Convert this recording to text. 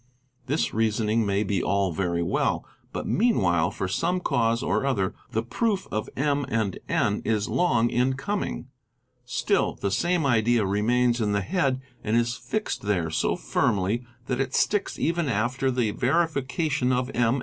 This reasoning may be all very well, but meanwhile, for some cause or other, the proof of M. & N. is long in coming; still the same idea remains in the head and : is fixed there so firmly that it sticks even after the verification of M.